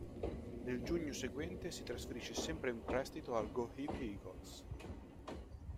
Nel giugno seguente si trasferisce sempre in prestito al Go Ahead Eagles.